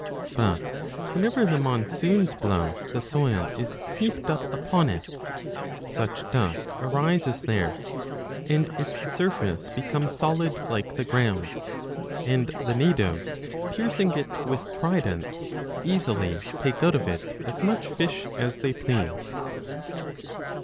But whenever the monsoons blow the soil is heaped up upon it (such dust arises there), and its surface becomes solid like the ground, and the natives, piercing it with tridents, 1 easily take out of it as 15 much fish as they please.